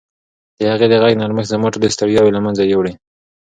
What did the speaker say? د هغې د غږ نرمښت زما ټولې ستړیاوې له منځه یووړې.